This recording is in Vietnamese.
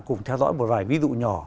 cùng theo dõi một vài ví dụ nhỏ